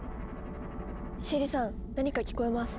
シエリさん何か聞こえます。